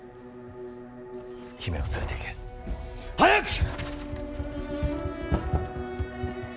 姫を連れていけ。早く！